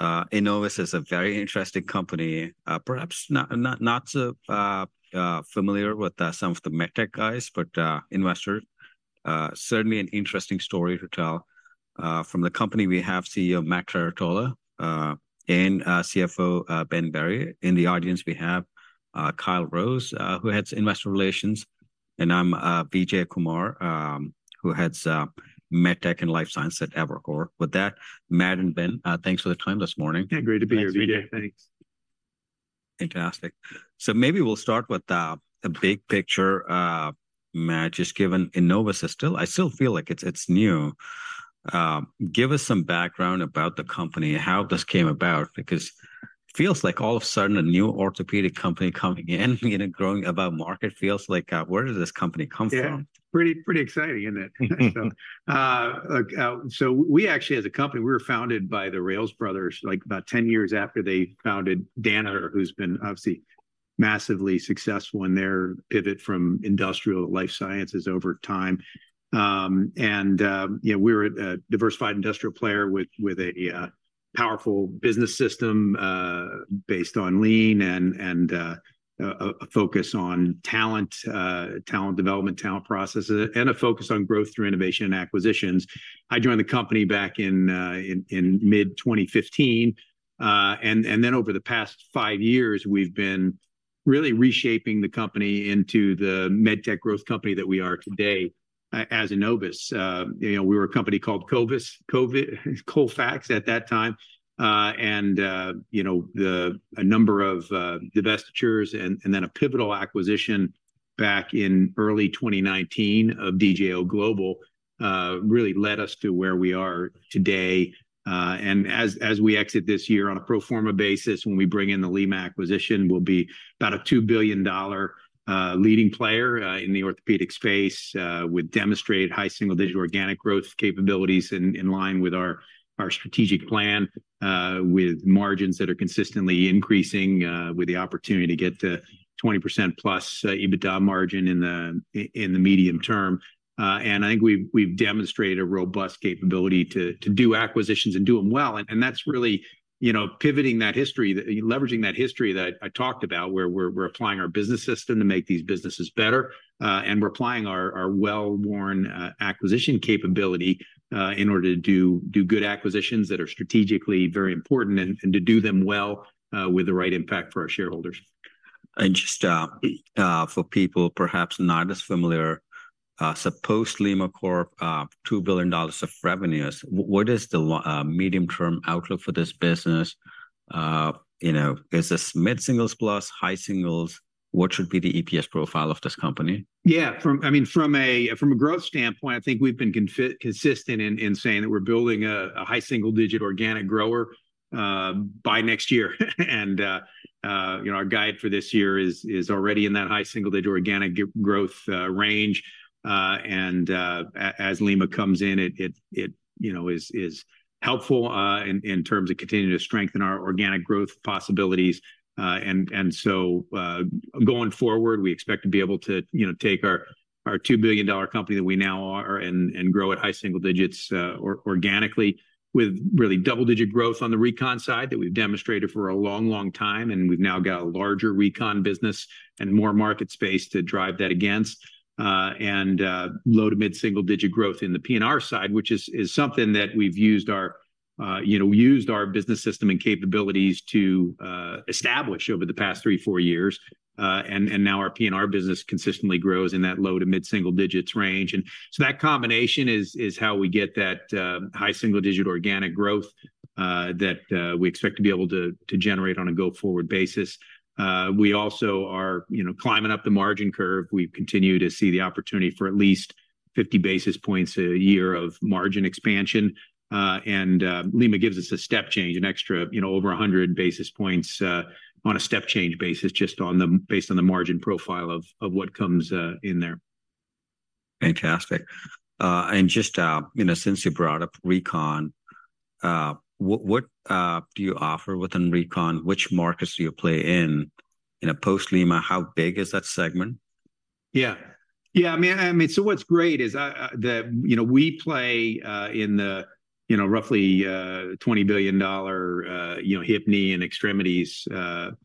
Enovis is a very interesting company, perhaps not so familiar with some of the med tech guys, but investors. Certainly an interesting story to tell. From the company, we have CEO Matt Trerotola and CFO Ben Berry. In the audience, we have Kyle Rose, who heads investor relations, and I'm Vijay Kumar, who heads med tech and life science at Evercore. With that, Matt and Ben, thanks for the time this morning. Hey, great to be here, Vijay. Thanks, Vijay. Fantastic. So maybe we'll start with the big picture, Matt, just given Enovis is still—I still feel like it's, it's new. Give us some background about the company and how this came about, because it feels like all of a sudden, a new orthopedic company coming in, you know, growing above market. It feels like, where did this company come from? Yeah. Pretty, pretty exciting, isn't it? So we actually as a company, we were founded by the Rales brothers, like about 10 years after they founded Danaher, who's been obviously massively successful in their pivot from industrial life sciences over time. And, you know, we're a diversified industrial player with a powerful business system based on lean and a focus on talent development, talent processes, and a focus on growth through innovation and acquisitions. I joined the company back in mid-2015. And then over the past five years, we've been really reshaping the company into the med tech growth company that we are today as Enovis. You know, we were a company called Colfax at that time. You know, a number of divestitures and then a pivotal acquisition back in early 2019 of DJO Global really led us to where we are today. As we exit this year on a pro forma basis, when we bring in the Lima acquisition, we'll be about a $2 billion leading player in the orthopedic space with demonstrated high single-digit organic growth capabilities in line with our strategic plan with margins that are consistently increasing with the opportunity to get to 20%+ EBITDA margin in the medium term. I think we've demonstrated a robust capability to do acquisitions and do them well. And that's really, you know, pivoting that history, leveraging that history that I talked about, where we're applying our business system to make these businesses better. And we're applying our well-worn acquisition capability in order to do good acquisitions that are strategically very important and to do them well, with the right impact for our shareholders. Just, for people perhaps not as familiar, post LimaCorporate, $2 billion of revenues, what is the medium-term outlook for this business? You know, is this mid-singles plus, high singles? What should be the EPS profile of this company? Yeah, I mean, from a growth standpoint, I think we've been consistent in saying that we're building a high single-digit organic grower by next year. And you know, our guide for this year is already in that high single-digit organic growth range. And as Lima comes in, it you know, is helpful in terms of continuing to strengthen our organic growth possibilities. And so, going forward, we expect to be able to you know, take our $2 billion company that we now are and grow at high single digits organically, with really double-digit growth on the recon side that we've demonstrated for a long, long time, and we've now got a larger recon business and more market space to drive that against. And low- to mid-single-digit growth in the P&R side, which is something that we've used our, you know, business system and capabilities to establish over the past three to four years. And now our P&R business consistently grows in that low- to mid-single-digits range. And so that combination is how we get that high-single-digit organic growth that we expect to be able to generate on a go-forward basis. We also are, you know, climbing up the margin curve. We continue to see the opportunity for at least 50 basis points a year of margin expansion. Lima gives us a step change, an extra, you know, over 100 basis points, on a step change basis, just based on the margin profile of what comes in there. Fantastic. Just, you know, since you brought up recon, what do you offer within recon? Which markets do you play in? In a post Lima, how big is that segment? Yeah. Yeah, I mean, I mean, so what's great is that, you know, we play in the, you know, roughly $20 billion hip, knee, and extremities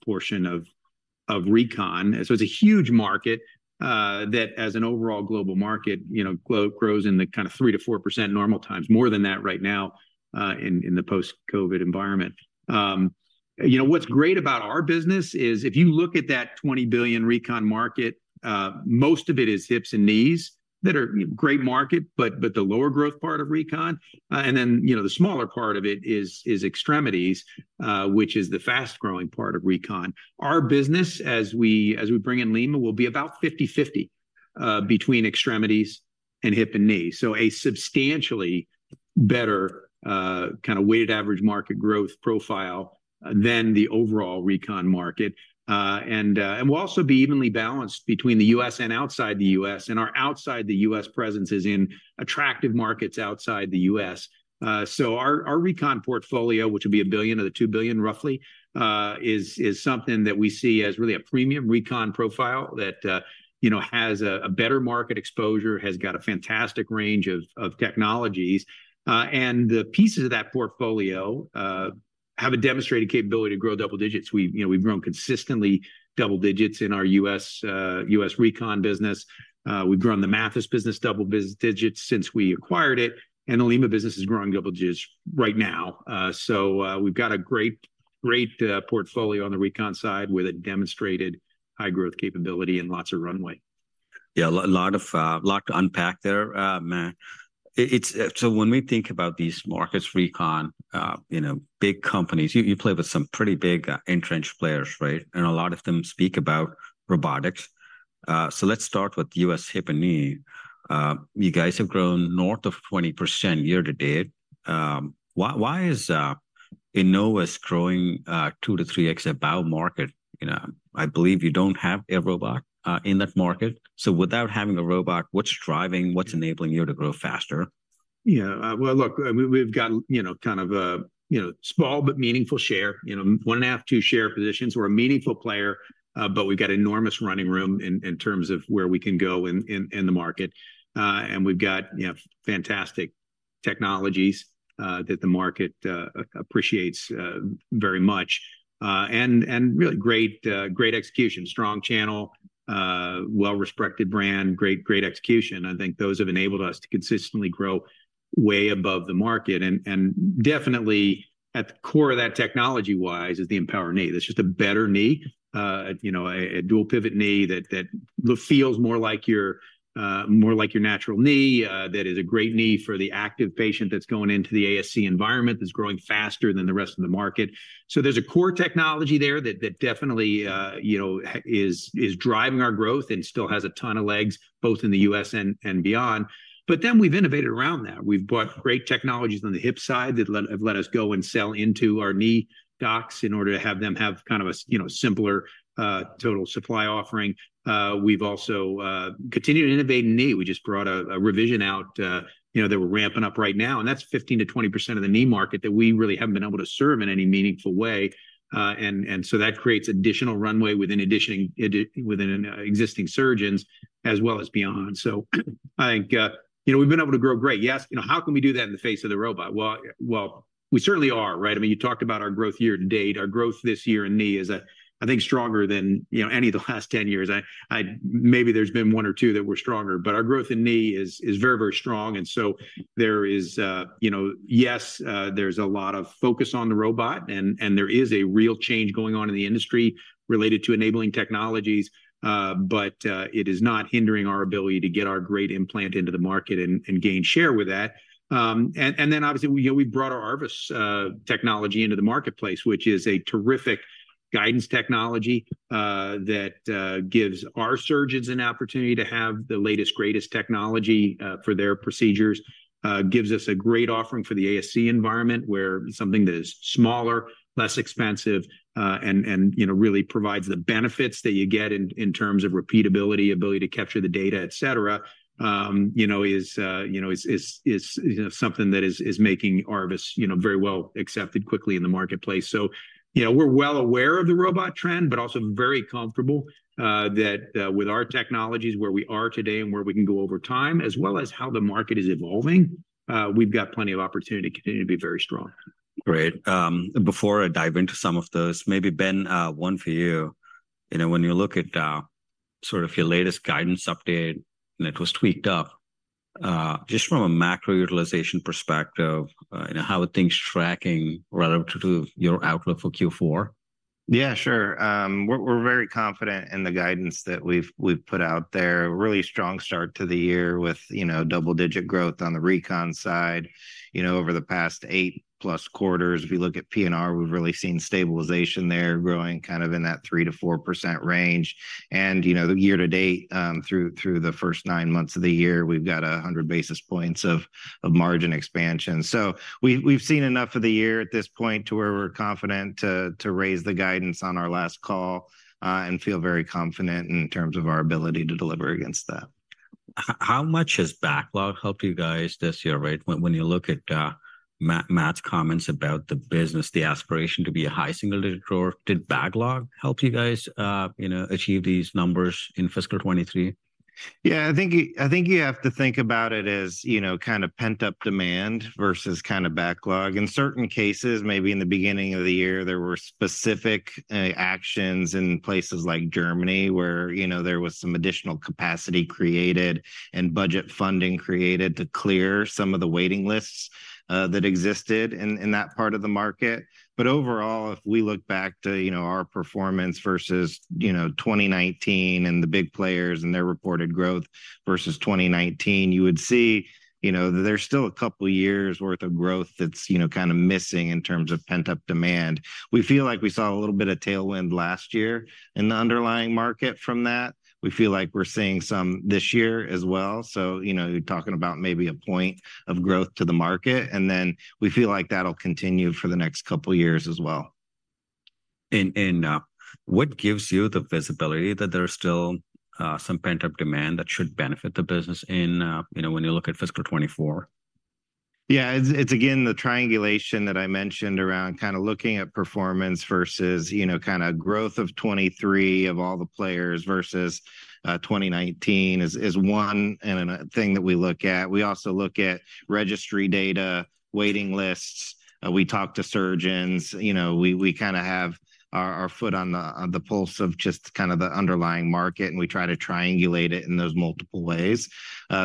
portion of recon. So it's a huge market that, as an overall global market, you know, grows in the kind of 3%-4% normal times, more than that right now, in the post-COVID environment. You know, what's great about our business is if you look at that $20 billion recon market, most of it is hips and knees. That are a great market, but the lower growth part of recon, and then, you know, the smaller part of it is extremities, which is the fast-growing part of recon. Our business, as we bring in Lima, will be about 50/50 between extremities and hip and knee. So a substantially better kind of weighted average market growth profile than the overall Recon market. And we'll also be evenly balanced between the U.S. and outside the U.S., and our outside the U.S. presence is in attractive markets outside the U.S. So our Recon portfolio, which will be $1 billion of the $2 billion, roughly, is something that we see as really a premium Recon profile that, you know, has a better market exposure, has got a fantastic range of technologies. And the pieces of that portfolio have a demonstrated capability to grow double digits. We've, you know, we've grown consistently double digits in our U.S. Recon business. We've grown the Mathys business double digits since we acquired it, and the Lima business is growing double digits right now. So, we've got a great, great portfolio on the Recon side with a demonstrated high growth capability and lots of runway. Yeah, a lot to unpack there, Matt. It's so when we think about these markets, Recon, you know, big companies, you play with some pretty big entrenched players, right? And a lot of them speak about robotics. So let's start with U.S. hip and knee. You guys have grown north of 20% year to date. Why is Enovis growing 2-3x above market? You know, I believe you don't have a robot in that market. So without having a robot, what's driving, what's enabling you to grow faster? Yeah, well, look, I mean, we've got, you know, kind of a, you know, small but meaningful share, you know, 1.5-2 share positions. We're a meaningful player, but we've got enormous running room in, in terms of where we can go in, in, in the market. And we've got, you know, fantastic technologies, that the market, appreciates, very much. And, and really great, great execution, strong channel, well-respected brand, great, great execution. I think those have enabled us to consistently grow way above the market. And, and definitely at the core of that, technology-wise, is the EMPOWR Knee. That's just a better knee, you know, a, a dual pivot knee that, that feels more like your, more like your natural knee. That is a great knee for the active patient that's going into the ASC environment, that's growing faster than the rest of the market. So there's a core technology there that definitely, you know, is driving our growth and still has a ton of legs, both in the U.S. and beyond. But then we've innovated around that. We've bought great technologies on the hip side that have let us go and sell into our knee docs in order to have them have kind of a, you know, simpler total supply offering. We've also continued to innovate in knee. We just brought a revision out, you know, that we're ramping up right now, and that's 15%-20% of the knee market that we really haven't been able to serve in any meaningful way. So that creates additional runway within existing surgeons as well as beyond. So I think, you know, we've been able to grow great. Yes, you know, how can we do that in the face of the robot? Well, we certainly are, right? I mean, you talked about our growth year to date. Our growth this year in knee is, I think, stronger than, you know, any of the last 10 years. Maybe there's been one or two that were stronger, but our growth in knee is very, very strong. And so there is, you know, yes, there's a lot of focus on the robot, and there is a real change going on in the industry related to Enabling Technologies, but it is not hindering our ability to get our great implant into the market and gain share with that. And then obviously, we, you know, we've brought our ARVIS technology into the marketplace, which is a terrific guidance technology that gives our surgeons an opportunity to have the latest, greatest technology for their procedures. Gives us a great offering for the ASC environment, where something that is smaller, less expensive, and you know really provides the benefits that you get in terms of repeatability, ability to capture the data, et cetera, you know is you know something that is making ARVIS you know very well accepted quickly in the marketplace. So, you know, we're well aware of the robot trend, but also very comfortable that with our technologies, where we are today and where we can go over time, as well as how the market is evolving, we've got plenty of opportunity to continue to be very strong. Great. Before I dive into some of those, maybe, Ben, one for you. You know, when you look at, sort of your latest guidance update, and it was tweaked up, just from a macro utilization perspective, you know, how are things tracking relative to your outlook for Q4? Yeah, sure. We're very confident in the guidance that we've put out there. Really strong start to the year with, you know, double-digit growth on the recon side, you know, over the past eight+ quarters. If you look at P&R, we've really seen stabilization there, growing kind of in that 3%-4% range. And, you know, year to date, through the first nine months of the year, we've got 100 basis points of margin expansion. So we've seen enough of the year at this point to where we're confident to raise the guidance on our last call, and feel very confident in terms of our ability to deliver against that. How much has backlog helped you guys this year, right? When you look at Matt's comments about the business, the aspiration to be a high single-digit grower, did backlog help you guys, you know, achieve these numbers in fiscal 2023? Yeah, I think you, I think you have to think about it as, you know, kind of pent-up demand versus kind of backlog. In certain cases, maybe in the beginning of the year, there were specific actions in places like Germany, where, you know, there was some additional capacity created and budget funding created to clear some of the waiting lists that existed in, in that part of the market. But overall, if we look back to, you know, our performance versus, you know, 2019 and the big players and their reported growth versus 2019, you would see, you know, that there's still a couple of years' worth of growth that's, you know, kind of missing in terms of pent-up demand. We feel like we saw a little bit of tailwind last year in the underlying market from that. We feel like we're seeing some this year as well. So, you know, you're talking about maybe a point of growth to the market, and then we feel like that'll continue for the next couple of years as well. What gives you the visibility that there's still some pent-up demand that should benefit the business in, you know, when you look at fiscal 2024? ... Yeah, it's again the triangulation that I mentioned around kind of looking at performance versus, you know, kind of growth of 2023 of all the players versus 2019 is one thing that we look at. We also look at registry data, waiting lists, we talk to surgeons, you know, we kind of have our foot on the pulse of just kind of the underlying market, and we try to triangulate it in those multiple ways.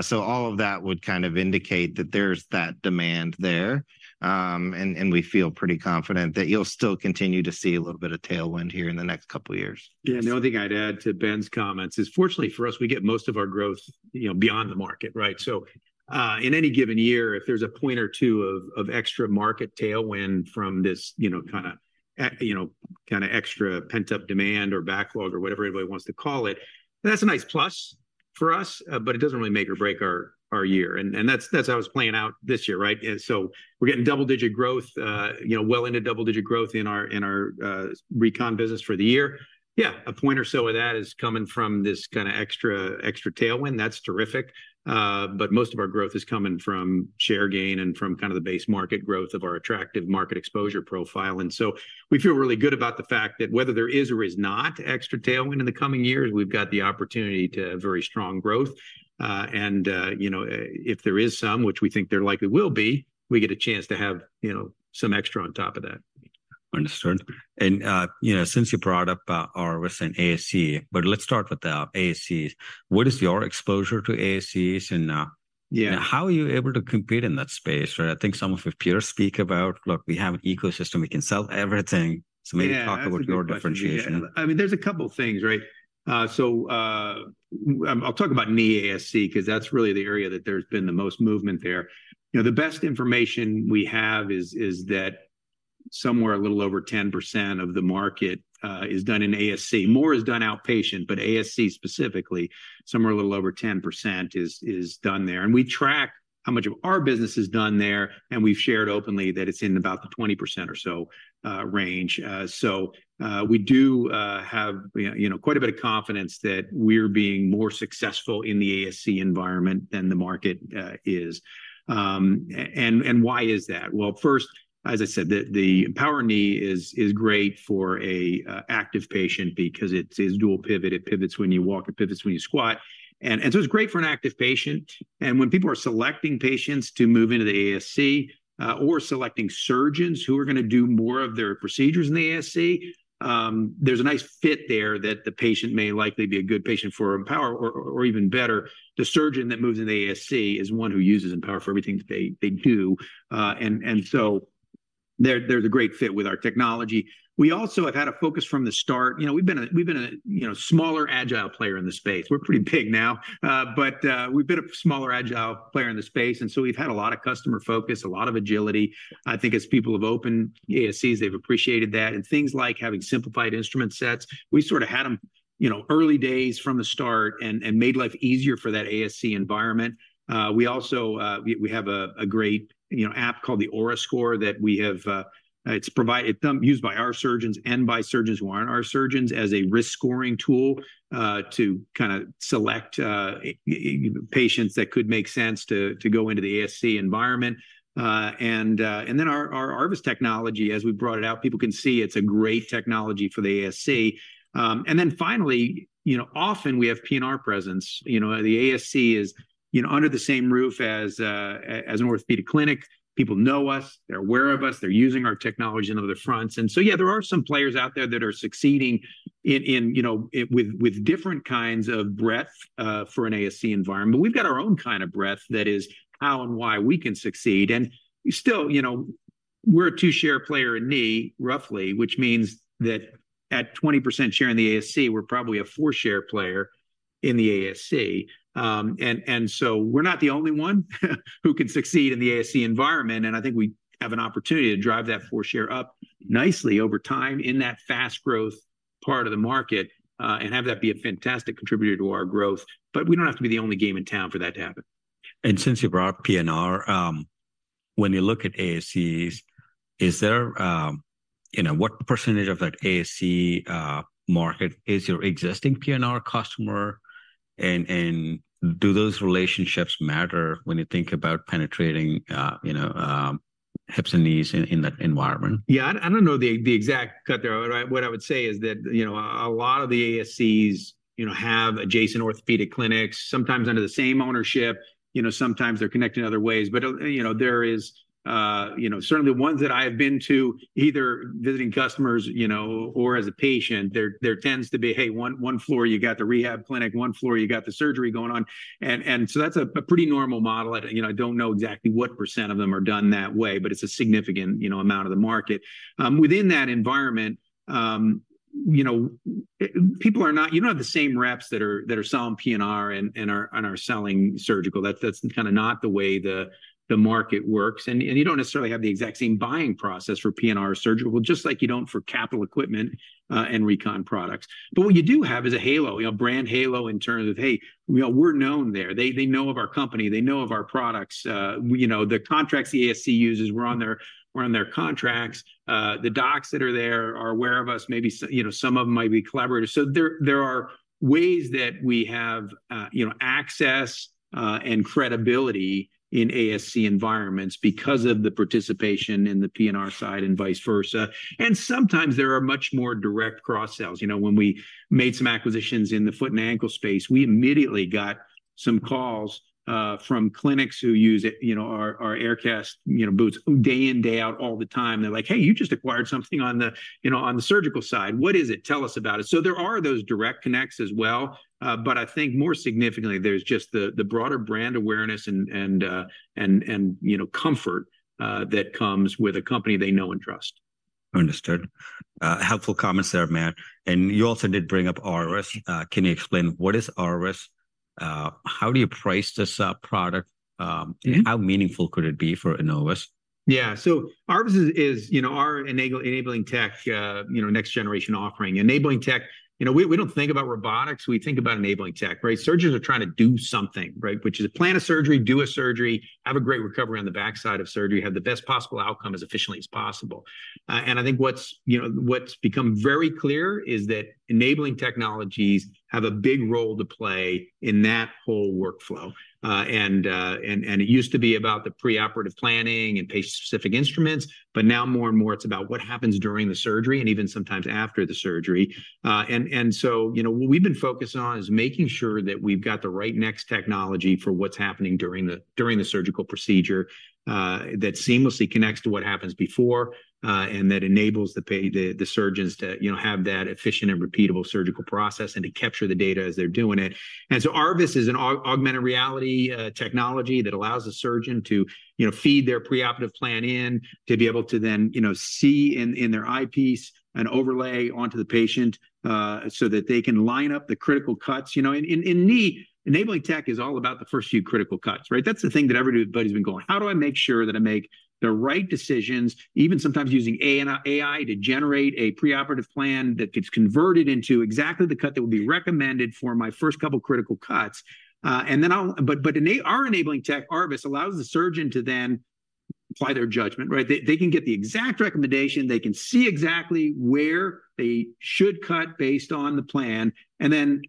So all of that would kind of indicate that there's that demand there, and we feel pretty confident that you'll still continue to see a little bit of tailwind here in the next couple of years. Yeah, the other thing I'd add to Ben's comments is, fortunately for us, we get most of our growth, you know, beyond the market, right? So, in any given year, if there's a point or two of extra market tailwind from this, you know, kind of, you know, kind of extra pent-up demand or backlog or whatever anybody wants to call it, that's a nice plus for us, but it doesn't really make or break our year, and that's how it's playing out this year, right? So we're getting double-digit growth, well into double-digit growth in our Recon business for the year. Yeah, a point or so of that is coming from this kind of extra tailwind. That's terrific. But most of our growth is coming from share gain and from kind of the base market growth of our attractive market exposure profile. And so we feel really good about the fact that whether there is or is not extra tailwind in the coming years, we've got the opportunity to have very strong growth. And, you know, if there is some, which we think there likely will be, we get a chance to have, you know, some extra on top of that. Understood. And, you know, since you brought up our recent ASC, but let's start with the ASCs. What is your exposure to ASCs, and, Yeah... how are you able to compete in that space? Right, I think some of your peers speak about, "Look, we have an ecosystem. We can sell everything. Yeah. Maybe talk about your differentiation. I mean, there's a couple things, right? So, I'll talk about knee ASC, 'cause that's really the area that there's been the most movement there. You know, the best information we have is that somewhere a little over 10% of the market is done in ASC. More is done outpatient, but ASC specifically, somewhere a little over 10% is done there. And we track how much of our business is done there, and we've shared openly that it's in about the 20% or so range. So, we do have, you know, quite a bit of confidence that we're being more successful in the ASC environment than the market is. And why is that? Well, first, as I said, the EMPOWR Knee is great for a active patient because it's dual pivot. It pivots when you walk, it pivots when you squat, and so it's great for an active patient. And when people are selecting patients to move into the ASC, or selecting surgeons who are gonna do more of their procedures in the ASC, there's a nice fit there that the patient may likely be a good patient for EMPOWR, or even better, the surgeon that moves into the ASC is one who uses EMPOWR for everything they do. And so there's a great fit with our technology. We also have had a focus from the start, you know, we've been a you know smaller, agile player in the space. We're pretty big now, but we've been a smaller, agile player in the space, and so we've had a lot of customer focus, a lot of agility. I think as people have opened ASCs, they've appreciated that, and things like having simplified instrument sets, we sort of had them, you know, early days from the start and made life easier for that ASC environment. We also have a great, you know, app called the OARA score; it's used by our surgeons and by surgeons who aren't our surgeons as a risk-scoring tool to kind of select patients that could make sense to go into the ASC environment. And then our ARVIS technology, as we brought it out, people can see it's a great technology for the ASC. And then finally, you know, often we have P&R presence. You know, the ASC is, you know, under the same roof as a, as an orthopedic clinic. People know us, they're aware of us, they're using our technology on other fronts. And so, yeah, there are some players out there that are succeeding in, you know, with different kinds of breadth for an ASC environment. But we've got our own kind of breadth, that is how and why we can succeed. And still, you know, we're a two-share player in knee, roughly, which means that at 20% share in the ASC, we're probably a four-share player in the ASC. So we're not the only one who can succeed in the ASC environment, and I think we have an opportunity to drive that four share up nicely over time in that fast-growth part of the market, and have that be a fantastic contributor to our growth. But we don't have to be the only game in town for that to happen. Since you brought up P&R, when you look at ASCs, you know, what percentage of that ASC market is your existing P&R customer, and do those relationships matter when you think about penetrating, you know, hips and knees in that environment? Yeah, I don't know the exact cut there. What I would say is that, you know, a lot of the ASCs, you know, have adjacent orthopedic clinics, sometimes under the same ownership, you know, sometimes they're connected in other ways. But, you know, there is, you know, certainly ones that I have been to, either visiting customers, you know, or as a patient, there tends to be, hey, one floor, you got the rehab clinic, one floor, you got the surgery going on. And so that's a pretty normal model. You know, I don't know exactly what percent of them are done that way, but it's a significant, you know, amount of the market. Within that environment, you know, you don't have the same reps that are selling P&R and are selling surgical. That's kind of not the way the market works. And you don't necessarily have the exact same buying process for P&R surgical, just like you don't for capital equipment and Recon products. But what you do have is a halo, a brand halo in terms of, hey, we are, we're known there. They know of our company, they know of our products. You know, the contracts the ASC uses, we're on their contracts. The docs that are there are aware of us, maybe some, you know, some of them might be collaborators. So there are ways that we have, you know, access, and credibility in ASC environments because of the participation in the P&R side and vice versa. And sometimes there are much more direct cross-sales. You know, when we made some acquisitions in the Foot & Ankle space, we immediately got some calls from clinics who use it, you know, our Aircast, you know, boots, day in, day out, all the time. They're like: "Hey, you just acquired something on the, you know, surgical side. What is it? Tell us about it." So there are those direct connects as well, but I think more significantly, there's just the broader brand awareness and, and, you know, comfort that comes with a company they know and trust.... Understood. Helpful comments there, Matt. You also did bring up ARVIS. Can you explain what is ARVIS? How do you price this product? And how meaningful could it be for Enovis? Yeah. So ARVIS is, you know, our Enabling Tech, you know, next generation offering. Enabling Tech, you know, we don't think about robotics, we think about Enabling Tech, right? Surgeons are trying to do something, right, which is plan a surgery, do a surgery, have a great recovery on the backside of surgery, have the best possible outcome as efficiently as possible. And I think what's, you know, what's become very clear is that Enabling Technologies have a big role to play in that whole workflow. And it used to be about the preoperative planning and patient-specific instruments, but now more and more it's about what happens during the surgery and even sometimes after the surgery. So, you know, what we've been focusing on is making sure that we've got the right next technology for what's happening during the surgical procedure that seamlessly connects to what happens before and that enables the surgeons to, you know, have that efficient and repeatable surgical process and to capture the data as they're doing it. So ARVIS is an augmented reality technology that allows a surgeon to, you know, feed their preoperative plan in, to be able to then, you know, see in their eyepiece an overlay onto the patient so that they can line up the critical cuts. You know, in knee, Enabling Tech is all about the first few critical cuts, right? That's the thing that everybody's been going, "How do I make sure that I make the right decisions, even sometimes using AI to generate a preoperative plan that gets converted into exactly the cut that will be recommended for my first couple critical cuts?" But in our Enabling Tech, ARVIS allows the surgeon to then apply their judgment, right? They can get the exact recommendation, they can see exactly where they should cut based on the plan, and then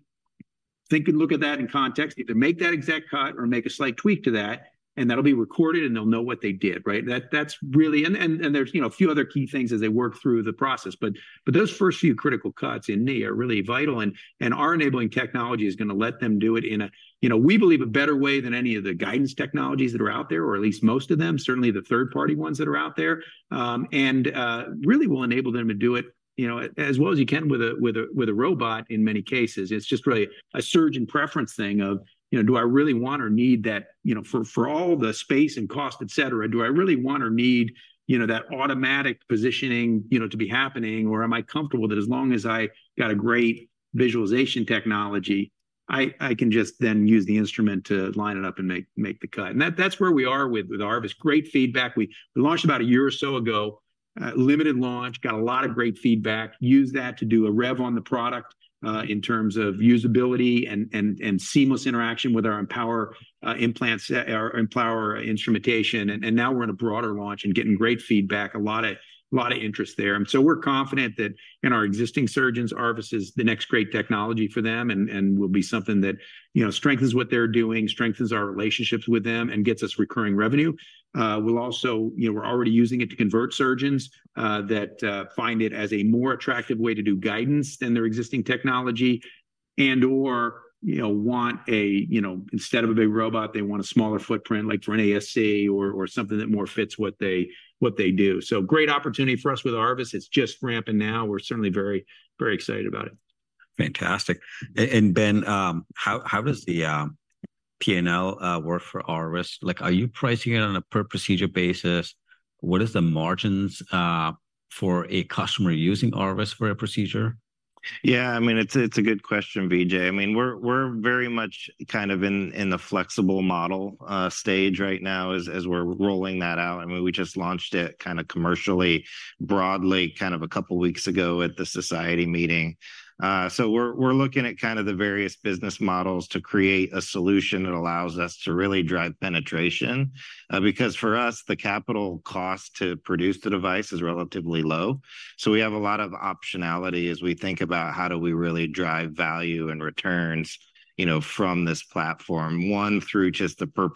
they can look at that in context, either make that exact cut or make a slight tweak to that, and that'll be recorded, and they'll know what they did, right? That's really, and there's, you know, a few other key things as they work through the process, but those first few critical cuts in knee are really vital, and our Enabling Technology is gonna let them do it in a, you know, we believe, a better way than any of the guidance technologies that are out there, or at least most of them, certainly the third-party ones that are out there. And really will enable them to do it, you know, as well as you can with a robot in many cases. It's just really a surgeon preference thing of, you know, "Do I really want or need that? You know, for all the space and cost, et cetera, do I really want or need, you know, that automatic positioning, you know, to be happening, or am I comfortable that as long as I got a great visualization technology, I can just then use the instrument to line it up and make the cut? And that, that's where we are with ARVIS. Great feedback. We launched about a year or so ago, limited launch, got a lot of great feedback, used that to do a rev on the product, in terms of usability and seamless interaction with our EMPOWR implants, our EMPOWR instrumentation. And now we're in a broader launch and getting great feedback, a lot of interest there. And so we're confident that in our existing surgeons, ARVIS is the next great technology for them and, and will be something that, you know, strengthens what they're doing, strengthens our relationships with them, and gets us recurring revenue. We'll also—you know, we're already using it to convert surgeons that find it as a more attractive way to do guidance than their existing technology, and/or, you know, want a, you know, instead of a big robot, they want a smaller footprint, like for an ASC or something that more fits what they do. So great opportunity for us with ARVIS. It's just ramping now. We're certainly very, very excited about it. Fantastic. And Ben, how does the P&L work for ARVIS? Like, are you pricing it on a per procedure basis? What is the margins for a customer using ARVIS for a procedure? Yeah, I mean, it's a good question, Vijay. I mean, we're very much kind of in the flexible model stage right now as we're rolling that out. I mean, we just launched it kind of commercially, broadly, a couple weeks ago at the society meeting. So we're looking at kind of the various business models to create a solution that allows us to really drive penetration, because for us, the capital cost to produce the device is relatively low. So we have a lot of optionality as we think about how do we really drive value and returns, you know, from this platform. One, through just the per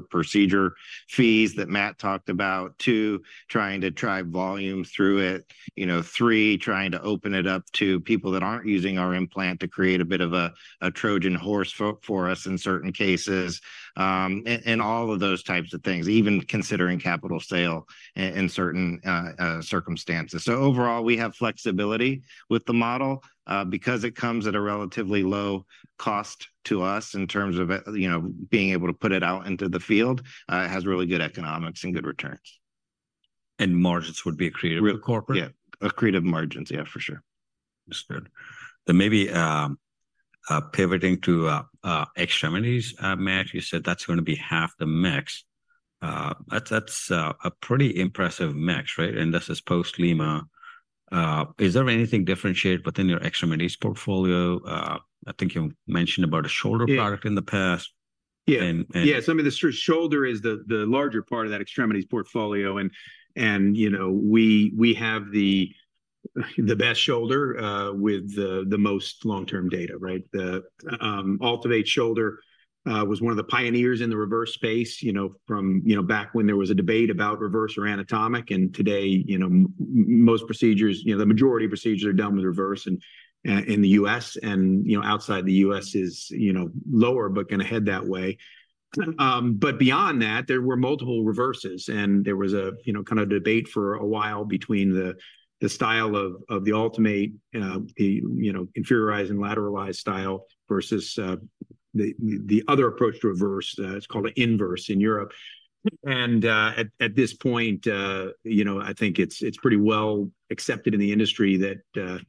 procedure fees that Matt talked about. Two, trying to drive volume through it. You know, three, trying to open it up to people that aren't using our implant to create a bit of a Trojan horse for us in certain cases, and all of those types of things, even considering capital sale in certain circumstances. So overall, we have flexibility with the model because it comes at a relatively low cost to us in terms of you know being able to put it out into the field. It has really good economics and good returns. Margins would be accretive to corporate? Yeah, accretive margins. Yeah, for sure. Understood. Then maybe pivoting to extremities, Matt. You said that's gonna be half the mix. That's a pretty impressive mix, right? And this is post Lima. Is there anything differentiated within your extremities portfolio? I think you mentioned about a shoulder product- Yeah... in the past. Yeah. And, and- Yeah, so I mean, the shoulder is the larger part of that extremities portfolio. And you know, we have the best shoulder with the most long-term data, right? The AltiVate shoulder was one of the pioneers in the reverse space, you know, from you know back when there was a debate about reverse or anatomic. And today, you know, most procedures, you know, the majority of procedures are done with reverse, and in the U.S., and you know, outside the U.S. is lower, but gonna head that way. But beyond that, there were multiple reverses, and there was a you know kind of debate for a while between the style of the ultimate you know inferiorized and lateralized style versus... The other approach to reverse, it's called an inverse in Europe. And at this point, you know, I think it's pretty well accepted in the industry that the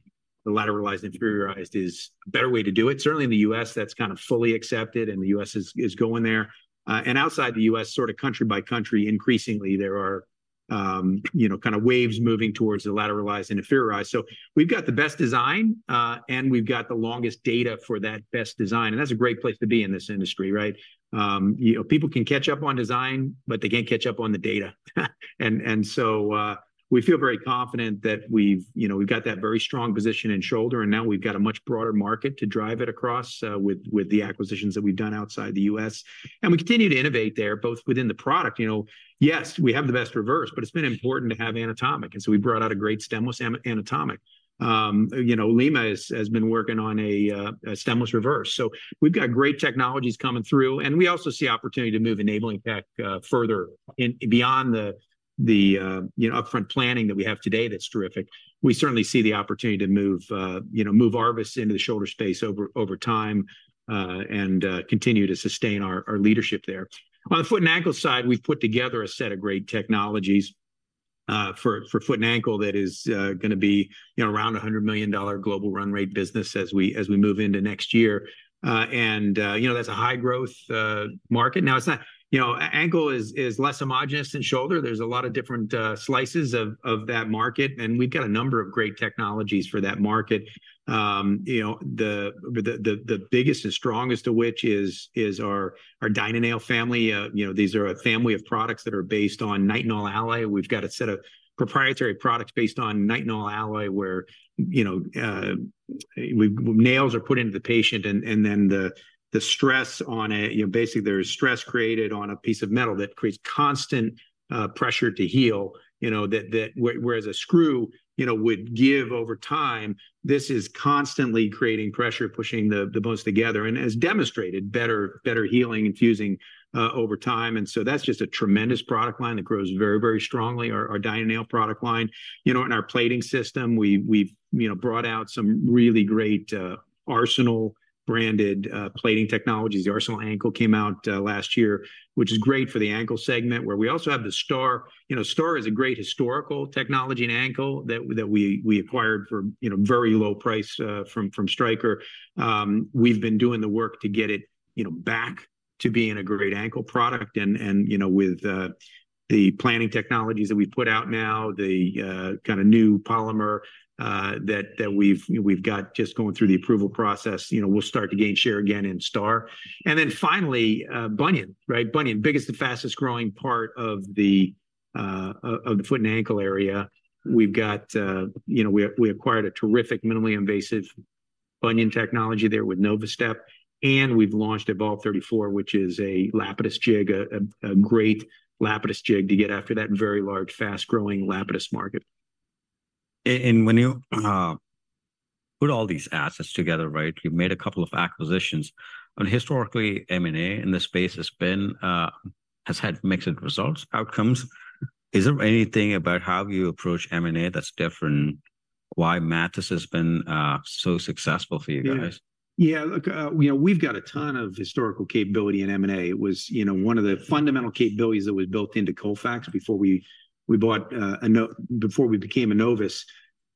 lateralized, inferiorized is a better way to do it. Certainly in the U.S., that's kind of fully accepted, and the U.S. is going there. And outside the U.S., sort of country by country, increasingly there are, you know, kind of waves moving towards the lateralized, inferiorized. So we've got the best design, and we've got the longest data for that best design, and that's a great place to be in this industry, right? You know, people can catch up on design, but they can't catch up on the data. And so, we feel very confident that we've, you know, we've got that very strong position in shoulder, and now we've got a much broader market to drive it across, with the acquisitions that we've done outside the U.S. And we continue to innovate there, both within the product, you know. Yes, we have the best reverse, but it's been important to have anatomic, and so we brought out a great stemless anatomic. You know, Lima has been working on a stemless reverse. So we've got great technologies coming through, and we also see opportunity to move Enabling Tech further in beyond the upfront planning that we have today that's terrific. We certainly see the opportunity to move, you know, move ARVIS into the shoulder space over, over time, and continue to sustain our leadership there. On the Foot & Ankle side, we've put together a set of great technologies for Foot & Ankle that is gonna be, you know, around $100 million global run rate business as we move into next year. And you know, that's a high growth market. Now, it's not... You know, ankle is less homogeneous than shoulder. There's a lot of different slices of that market, and we've got a number of great technologies for that market. You know, the biggest and strongest of which is our DynaNail family. You know, these are a family of products that are based on NiTiNOL alloy. We've got a set of proprietary products based on NiTiNOL alloy, where, you know, nails are put into the patient, and then the stress on it, you know, basically, there's stress created on a piece of metal that creates constant pressure to heal. You know, whereas a screw, you know, would give over time, this is constantly creating pressure, pushing the bones together, and has demonstrated better healing and fusing over time. And so that's just a tremendous product line that grows very, very strongly, our DynaNail product line. You know, in our plating system, we've brought out some really great Arsenal-branded plating technologies. The Arsenal Ankle came out last year, which is great for the ankle segment, where we also have the STAR. You know, STAR is a great historical technology in ankle that we acquired for, you know, very low price from Stryker. We've been doing the work to get it, you know, back to being a great ankle product, and you know, with the planning technologies that we've put out now, the kind of new polymer that we've got just going through the approval process, you know, we'll start to gain share again in STAR. And then finally, bunion, right? Bunion, biggest and fastest growing part of the Foot & Ankle area. We acquired a terrific minimally invasive bunion technology there with Novastep, and we've launched Evolve34, which is a Lapidus jig, a great Lapidus jig to get after that very large, fast-growing Lapidus market. When you put all these assets together, right, you've made a couple of acquisitions. Historically, M&A in this space has been, has had mixed results, outcomes. Is there anything about how you approach M&A that's different, why Mathys has been so successful for you guys? Yeah. Yeah, look, you know, we've got a ton of historical capability in M&A. It was, you know, one of the fundamental capabilities that was built into Colfax before we bought DJO before we became Enovis.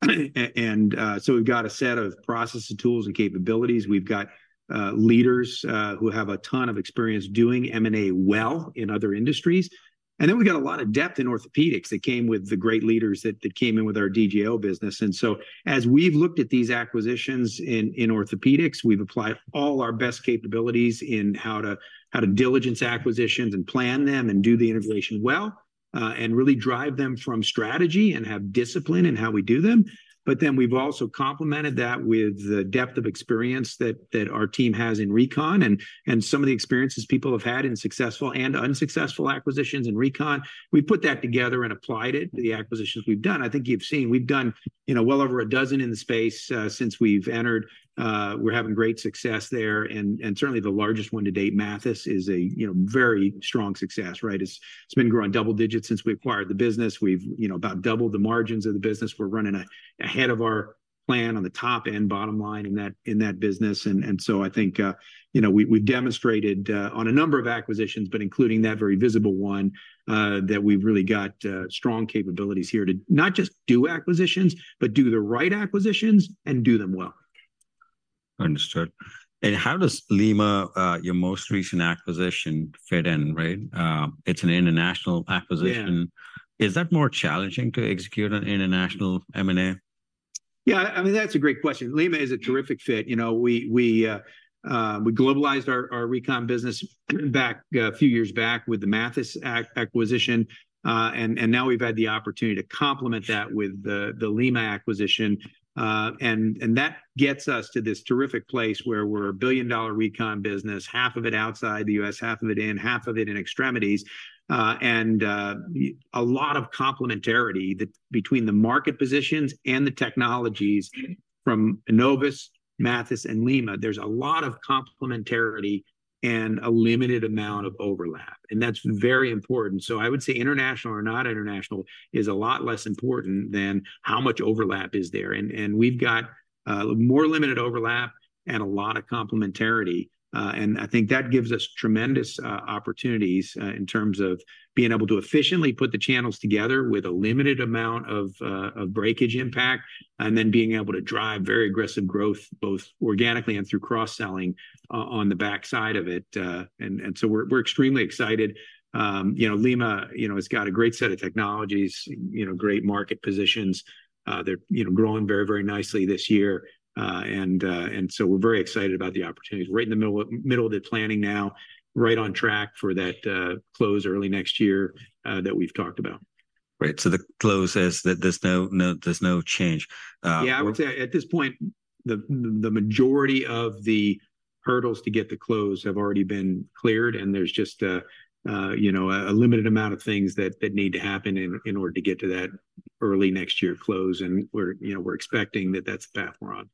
And so we've got a set of processes, tools, and capabilities. We've got leaders who have a ton of experience doing M&A well in other industries. And then we've got a lot of depth in orthopedics that came with the great leaders that came in with our DJO business. And so as we've looked at these acquisitions in orthopedics, we've applied all our best capabilities in how to diligence acquisitions and plan them and do the integration well, and really drive them from strategy and have discipline in how we do them. But then we've also complemented that with the depth of experience that our team has in recon and some of the experiences people have had in successful and unsuccessful acquisitions in recon. We've put that together and applied it to the acquisitions we've done. I think you've seen, we've done, you know, well over a dozen in the space since we've entered. We're having great success there, and certainly the largest one to date, Mathys, is a, you know, very strong success, right? It's been growing double digits since we acquired the business. We've, you know, about doubled the margins of the business. We're running ahead of our plan on the top and bottom line in that business. So, I think, you know, we've demonstrated on a number of acquisitions, but including that very visible one, that we've really got strong capabilities here to not just do acquisitions, but do the right acquisitions and do them well. Understood. How does Lima, your most recent acquisition, fit in, right? It's an international acquisition. Yeah. Is that more challenging to execute an international M&A? Yeah, I mean, that's a great question. Lima is a terrific fit. You know, we globalized our recon business back a few years back with the Mathys acquisition. And now we've had the opportunity to complement that with the Lima acquisition. And that gets us to this terrific place where we're a billion-dollar recon business, half of it outside the U.S., half of it in extremities. And a lot of complementarity between the market positions and the technologies from Enovis, Mathys, and Lima, there's a lot of complementarity and a limited amount of overlap, and that's very important. So I would say international or not international is a lot less important than how much overlap is there. And we've got more limited overlap and a lot of complementarity. And I think that gives us tremendous opportunities in terms of being able to efficiently put the channels together with a limited amount of breakage impact, and then being able to drive very aggressive growth, both organically and through cross-selling on the backside of it. And so we're extremely excited. You know, Lima has got a great set of technologies, you know, great market positions. They're, you know, growing very, very nicely this year. And so we're very excited about the opportunities. Right in the middle of the planning now, right on track for that close early next year that we've talked about. Right, so the close is, there's no change. Yeah, I would say at this point, the majority of the hurdles to get the close have already been cleared, and there's just a, you know, limited amount of things that need to happen in order to get to that early next year close, and we're, you know, expecting that that's the path we're on.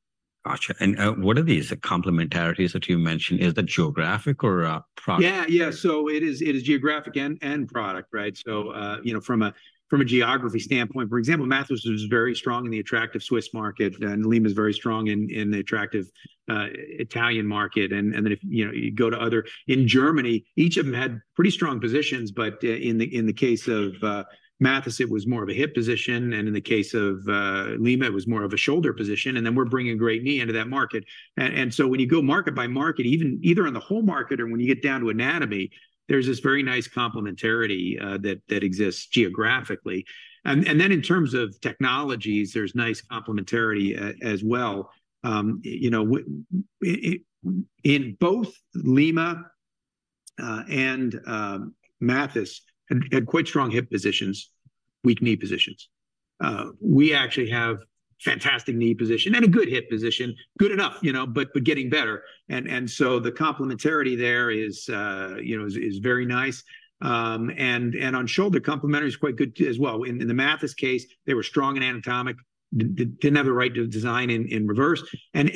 Gotcha. What are these complementarities that you mentioned? Is that geographic or product? Yeah, yeah. So it is, it is geographic and, and product, right? So, you know, from a geography standpoint, for example, Mathys was very strong in the attractive Swiss market, and Lima is very strong in the attractive Italian market. And then if, you know, you go to other... In Germany, each of them had pretty strong positions, but in the case of Mathys, it was more of a hip position, and in the case of Lima, it was more of a shoulder position, and then we're bringing great knee into that market. And so when you go market by market, even either in the whole market or when you get down to anatomy, there's this very nice complementarity that exists geographically. And then in terms of technologies, there's nice complementarity as well. You know, in both Lima and Mathys had quite strong hip positions, weak knee positions. We actually have fantastic knee position and a good hip position. Good enough, you know, but getting better. So the complementarity there is, you know, very nice. And on shoulder, complementarity is quite good as well. In the Mathys case, they were strong in anatomic, didn't have the right to design in reverse. And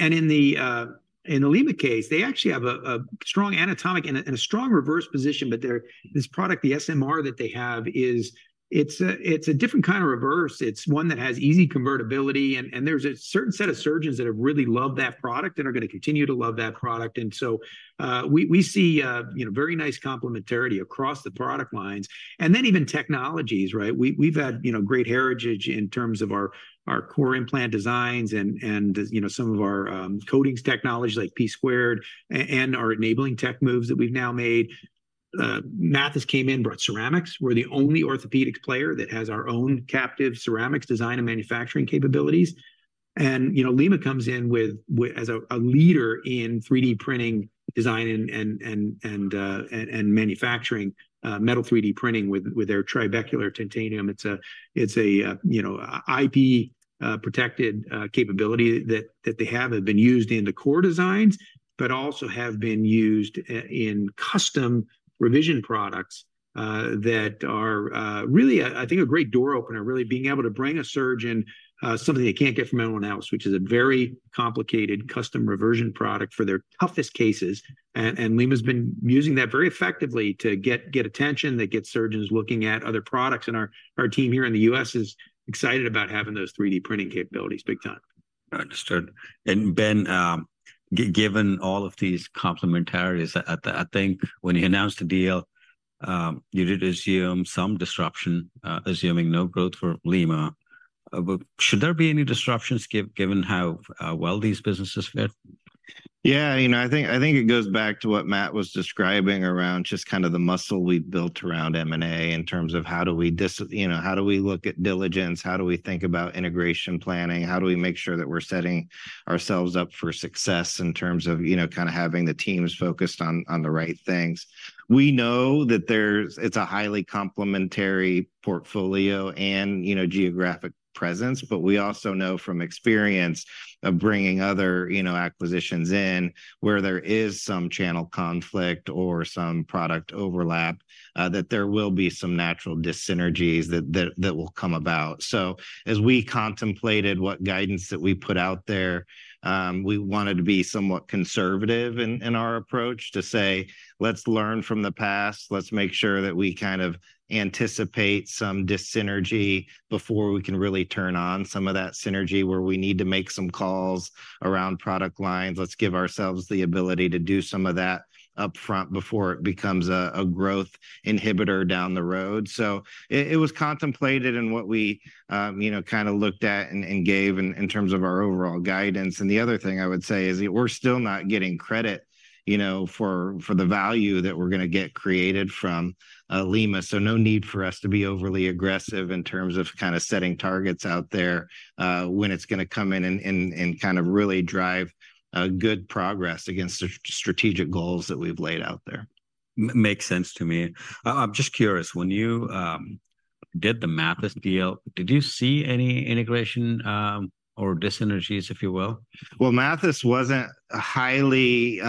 in the Lima case, they actually have a strong anatomic and a strong reverse position, but their this product, the SMR that they have is a different kind of reverse. It's one that has easy convertibility, and there's a certain set of surgeons that have really loved that product and are going to continue to love that product. And so, we see, you know, very nice complementarity across the product lines, and then even technologies, right? We've had, you know, great heritage in terms of our core implant designs and, you know, some of our coatings technology, like P², and our Enabling Tech moves that we've now made. Mathys came in, brought ceramics. We're the only orthopedic player that has our own captive ceramics design and manufacturing capabilities. And, you know, Lima comes in with as a leader in 3D printing, design and manufacturing, metal 3D printing with their Trabecular Titanium. It's a, it's a, you know, IP protected capability that they have and been used in the core designs, but also have been used in custom revision products that are really, I think, a great door opener, really being able to bring a surgeon something they can't get from anyone else, which is a very complicated custom revision product for their toughest cases. And Lima's been using that very effectively to get attention, they get surgeons looking at other products. And our team here in the U.S. is excited about having those 3D printing capabilities, big time. Understood. And Ben, given all of these complementarities, I think when you announced the deal, you did assume some disruption, assuming no growth for Lima. But should there be any disruptions given how well these businesses fit? Yeah, you know, I think, I think it goes back to what Matt was describing around just kind of the muscle we've built around M&A in terms of how do we, you know, how do we look at diligence, how do we think about integration planning, how do we make sure that we're setting ourselves up for success in terms of, you know, kind of having the teams focused on, on the right things? We know that there's, it's a highly complementary portfolio and, you know, geographic presence, but we also know from experience of bringing other, you know, acquisitions in, where there is some channel conflict or some product overlap, that there will be some natural dyssynergies that will come about. So as we contemplated what guidance that we put out there, we wanted to be somewhat conservative in our approach, to say: Let's learn from the past. Let's make sure that we kind of anticipate some dyssynergy before we can really turn on some of that synergy, where we need to make some calls around product lines. Let's give ourselves the ability to do some of that upfront before it becomes a growth inhibitor down the road. So it was contemplated in what we, you know, kind of looked at and gave in terms of our overall guidance. The other thing I would say is we're still not getting credit, you know, for the value that we're going to get created from Lima, so no need for us to be overly aggressive in terms of kind of setting targets out there, when it's going to come in and kind of really drive good progress against the strategic goals that we've laid out there. Makes sense to me. I'm just curious, when you did the Mathys deal, did you see any integration or dyssynergies, if you will? Well, Mathys wasn't a highly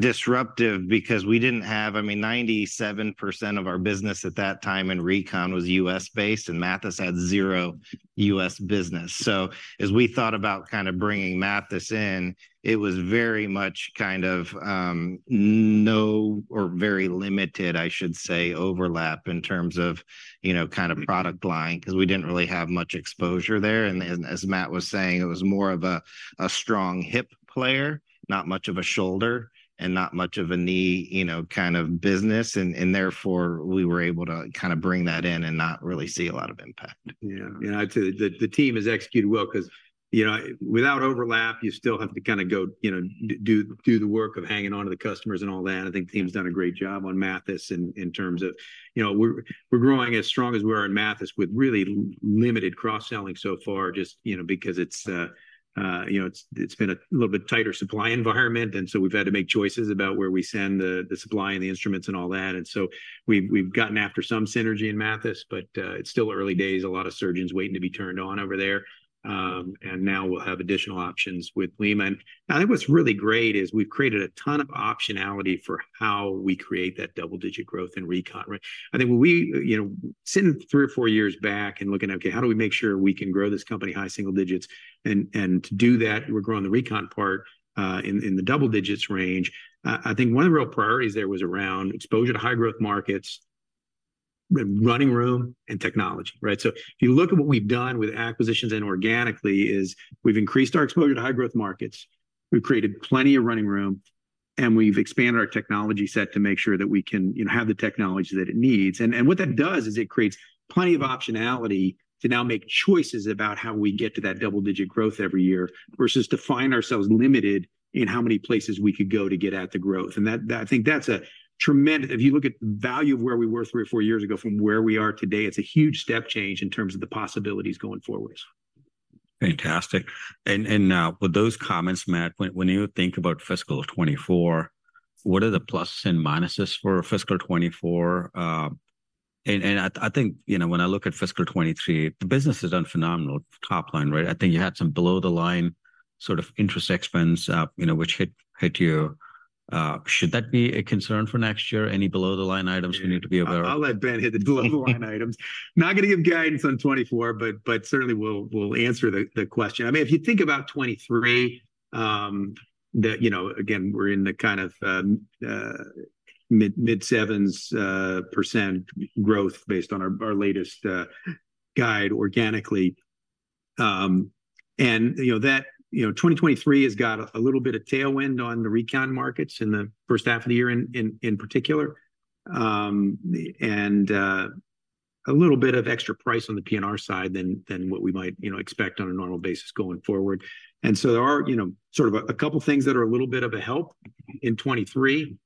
disruptive because we didn't have, I mean, 97% of our business at that time in recon was U.S.-based, and Mathys had zero U.S. business. So as we thought about kind of bringing Mathys in, it was very much kind of no or very limited, I should say, overlap in terms of, you know, kind of product line, 'cause we didn't really have much exposure there. And as Matt was saying, it was more of a strong hip player, not much of a shoulder, and not much of a knee, you know, kind of business, and therefore, we were able to kind of bring that in and not really see a lot of impact. Yeah, you know, I'd say the team has executed well, 'cause, you know, without overlap, you still have to kind of go, you know, do the work of hanging on to the customers and all that. I think the team's done a great job on Mathys in terms of... You know, we're growing as strong as we are in Mathys with really limited cross-selling so far, just, you know, because it's been a little bit tighter supply environment, and so we've had to make choices about where we send the supply and the instruments and all that. And so we've gotten after some synergy in Mathys, but it's still early days, a lot of surgeons waiting to be turned on over there. And now we'll have additional options with Lima. I think what's really great is we've created a ton of optionality for how we create that double-digit growth in Recon, right? I think when we, you know, sitting three or four years back and looking, "Okay, how do we make sure we can grow this company high single digits?" And to do that, we're growing the Recon part in the double digits range. I think one of the real priorities there was around exposure to high growth markets, running room, and technology, right? So if you look at what we've done with acquisitions and organically, is we've increased our exposure to high growth markets, we've created plenty of running room, and we've expanded our technology set to make sure that we can, you know, have the technology that it needs. And what that does is it creates plenty of optionality to now make choices about how we get to that double-digit growth every year, versus to find ourselves limited in how many places we could go to get at the growth. And that, I think, that's a tremendous. If you look at the value of where we were three or four years ago from where we are today, it's a huge step change in terms of the possibilities going forward. Fantastic. And with those comments, Matt, when you think about fiscal 2024, what are the pluses and minuses for fiscal 2024? And I think, you know, when I look at fiscal 2023, the business has done phenomenal top line, right? I think you had some below the line sort of interest expense, you know, which hit you. Should that be a concern for next year? Any below the line items we need to be aware of? I'll let Ben hit the below the line items. Not going to give guidance on 2024, but certainly we'll answer the question. I mean, if you think about 2023, you know, again, we're in the kind of mid-7s % growth based on our latest guide organically. And you know, that you know, 2023 has got a little bit of tailwind on the recon markets in the first half of the year in particular. And a little bit of extra price on the P&R side than what we might expect on a normal basis going forward. And so there are you know, sort of a couple things that are a little bit of a help in 2023. You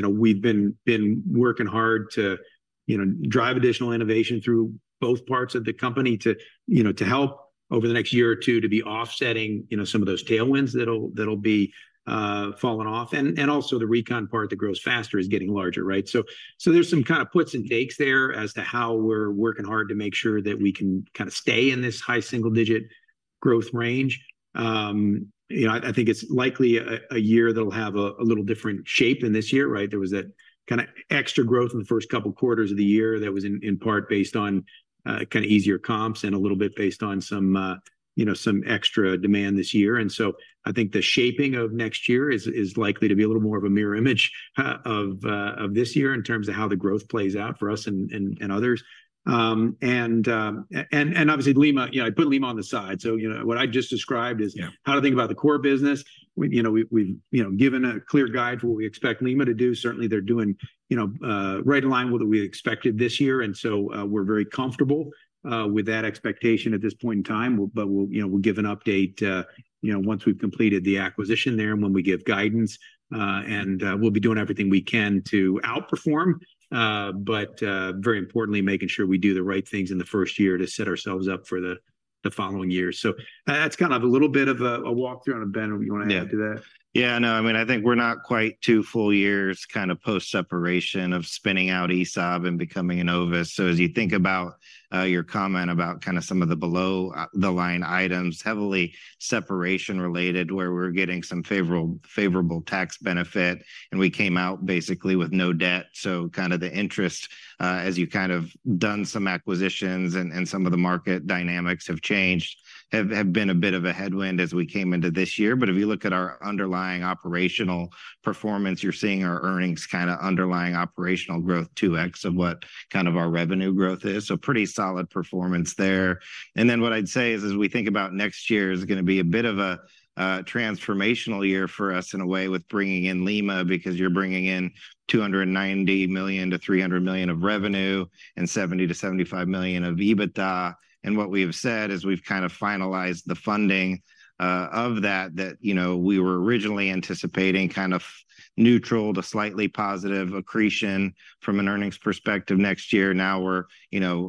know, we've been working hard to, you know, drive additional innovation through both parts of the company to, you know, to help over the next year or two to be offsetting, you know, some of those tailwinds that'll be falling off. And also the Recon part that grows faster is getting larger, right? So there's some kind of puts and takes there as to how we're working hard to make sure that we can kind of stay in this high single digit growth range. You know, I think it's likely a year that'll have a little different shape in this year, right? There was that kind of extra growth in the first couple quarters of the year that was in, in part based on, kind of easier comps and a little bit based on some, you know, some extra demand this year. And so I think the shaping of next year is likely to be a little more of a mirror image, of this year in terms of how the growth plays out for us and others. And obviously, Lima, you know, I put Lima on the side. So, you know, what I just described is- Yeah... how to think about the core business. We, you know, we've, you know, given a clear guide for what we expect Lima to do. Certainly, they're doing, you know, right in line with what we expected this year, and so, we're very comfortable, with that expectation at this point in time. But we'll, you know, we'll give an update, you know, once we've completed the acquisition there and when we give guidance. And, we'll be doing everything we can to outperform, but, very importantly, making sure we do the right things in the first year to set ourselves up for the, the following years. So, that's kind of a little bit of a, a walkthrough. And Ben, you want to add to that? Yeah. Yeah, no, I mean, I think we're not quite two full years kind of post-separation of spinning out ESAB and becoming an Enovis. So as you think about your comment about kind of some of the below the line items, heavily separation related, where we're getting some favorable tax benefit, and we came out basically with no debt. So kind of the interest as you've kind of done some acquisitions and some of the market dynamics have changed, have been a bit of a headwind as we came into this year. But if you look at our underlying operational performance, you're seeing our earnings kind of underlying operational growth 2x of what kind of our revenue growth is. So pretty solid performance there. And then what I'd say is, as we think about next year, is going to be a bit of a transformational year for us in a way, with bringing in Lima, because you're bringing in $290 million-$300 million of revenue and $70 million-$75 million of EBITDA. And what we have said is, we've kind of finalized the funding of that, that, you know, we were originally anticipating kind of neutral to slightly positive accretion from an earnings perspective next year. Now we're, you know,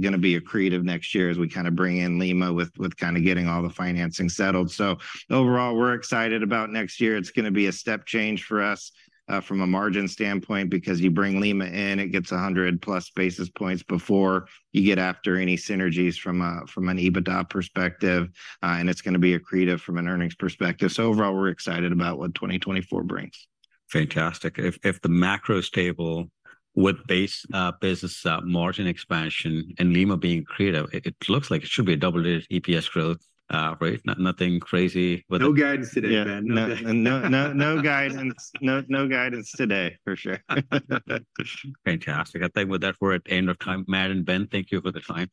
going to be accretive next year as we kind of bring in Lima with kind of getting all the financing settled. So overall, we're excited about next year. It's going to be a step change for us, from a margin standpoint, because you bring Lima in, it gets 100+ basis points before you get after any synergies from an EBITDA perspective, and it's going to be accretive from an earnings perspective. So overall, we're excited about what 2024 brings. Fantastic. If the macro is stable, with base business margin expansion and Lima being accretive, it looks like it should be a double-digit EPS growth, right? Nothing crazy, but- No guidance today, Ben. Yeah. No, no, no guidance, no, no guidance today, for sure. Fantastic. I think with that, we're at the end of time. Matt and Ben, thank you for the time.